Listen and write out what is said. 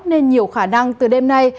nên nhiều khả năng từ đêm nay